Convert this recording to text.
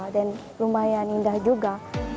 dan lumayan indah juga